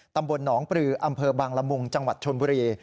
ตำบลหนองปลืออำเภอบางละมุงจังหวัดชนบุรี